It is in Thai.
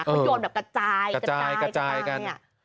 เขาโยนแบบกระจายกระจายกระจายกัน